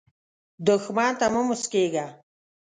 دښمن ته مه مسکېږه